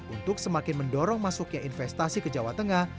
untuk semakin mendorong masuknya investasi ke jawa tengah